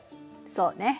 そうね。